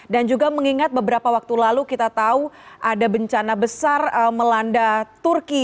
dan juga mengingat beberapa waktu lalu kita tahu ada bencana besar melanda turki